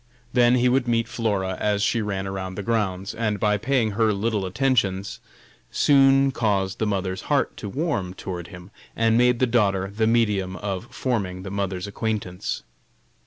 Then he would meet Flora as she ran around the grounds, and by paying her little attentions, soon caused the mother's heart to warm toward him, and made the daughter the medium of forming the mother's acquaintance.